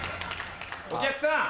お客さん！